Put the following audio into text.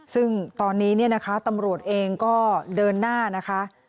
ซึ่งตอนนี้เนี่ยนะคะตำรวจเองก็เดินหน้านะคะ